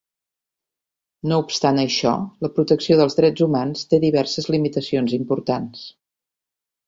No obstant això, la protecció dels drets humans té diverses limitacions importants.